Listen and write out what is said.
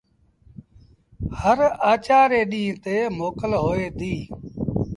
هر آچآر ري ڏيٚݩهݩ تي موڪل هوئي ديٚ۔